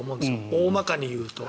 大まかに言うと。